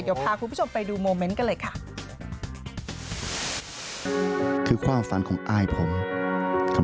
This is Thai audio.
เดี๋ยวพาคุณผู้ชมไปดูโมเมนต์กันเลยค่ะ